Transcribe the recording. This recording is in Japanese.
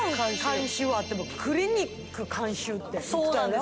監修はあってもクリニック監修ってそうなんです